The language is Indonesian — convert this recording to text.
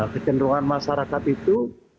kecenderungan masyarakat itu